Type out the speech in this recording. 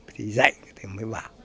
thì dạy thì mới bảo